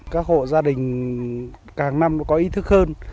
các hộ gia đình hàng năm có ý thức hơn